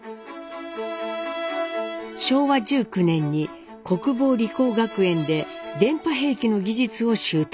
昭和１９年に国防理工学園で電波兵器の技術を習得。